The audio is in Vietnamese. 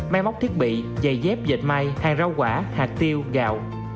máy móc thiết bị giày dép dệt may hàng rau quả hạt tiêu gạo